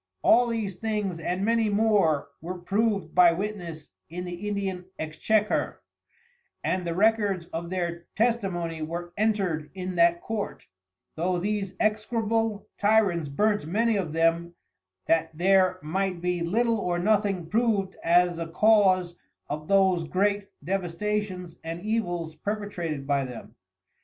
All these things and many more were prov'd by Witness in the Indian Exchequer, and the Records of their Testimony were entred in that Court, though these execrable Tyrants burnt many of them that there might be little or nothing prov'd as a cause of those great Devastations and Evils perpetrated by them.